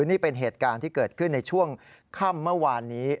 นี่เป็นเหตุการณ์ที่เกิดขึ้นในช่วงค่ำเมื่อวานนี้